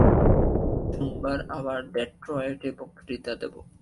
সোমবার আবার ডেট্রয়েটে বক্তৃতা দেব।